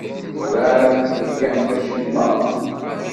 Werɛad d-theyyamt acemma.